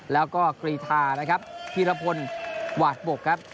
แล้วก็กรีธานะครับพีรพลหวาดบกครับ